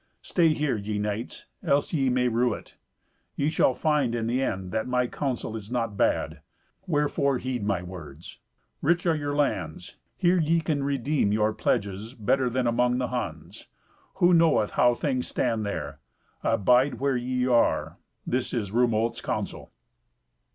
Stay here, ye knights, else ye may rue it. Ye shall find in the end that my counsel is not bad: wherefore heed my words. Rich are your lands. Here ye can redeem your pledges better than among the Huns. Who knoweth how things stand there. Abide where ye are. That is Rumolt's counsel."